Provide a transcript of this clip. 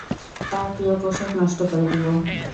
তার প্রিয় পোষাক নষ্ট করে দিব।